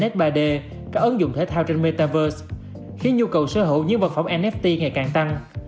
s ba d các ứng dụng thể thao trên metaverse khiến nhu cầu sở hữu những vật phẩm nft ngày càng tăng